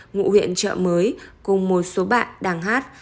ngụ huyện chợ mới cùng một số bạn đang hát